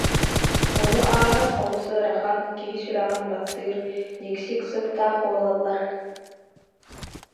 Ону ааһан олус ыарахан, киһи сүрэҕин баттыыр, никсик сыттаах буолаллар